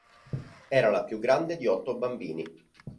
Era la più grande di otto bambini.